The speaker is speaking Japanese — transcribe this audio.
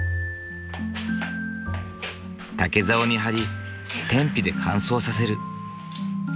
竹ざおに張り天日で乾燥させる。